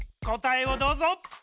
こたえをどうぞ。